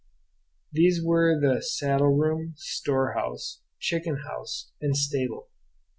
These were the saddle room, storehouse, chicken house, and stable.